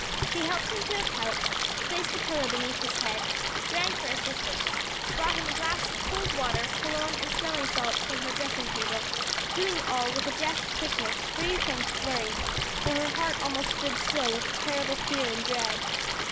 She helped him to a couch, placed a pillow beneath his head, rang for assistance, brought him a glass of cold water, cologne and smelling salts from her dressing table; doing all with a deft quickness free from flurry, though her heart almost stood still with a terrible fear and dread.